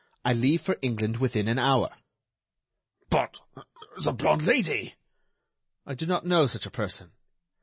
I leave for England within an hour." "But ... the blonde Lady?" "I do not know such a person."